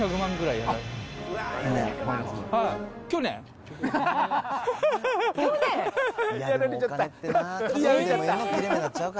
やられちゃった。